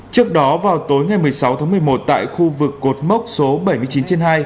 trước đó vào tối ngày một mươi sáu tháng một mươi một tại khu vực cột mốc số bảy mươi chín trên hai